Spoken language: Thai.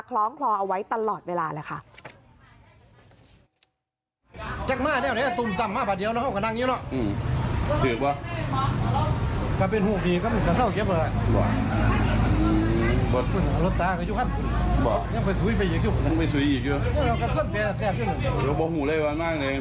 คล้องคลอเอาไว้ตลอดเวลาเลยค่ะ